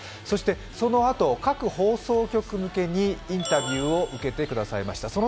そしてそのあと、各放送局向けにインタビューを受けてくださいました。